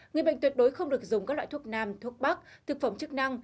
người bệnh tuyệt đối không được dùng các loại thuốc nam thuốc bắc thực phẩm chức năng